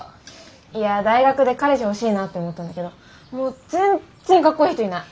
いや大学で彼氏欲しいなって思ったんだけどもう全然かっこいい人いない。